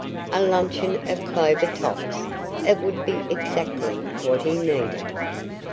A luncheon of clover tops! It would be exactly what he needed.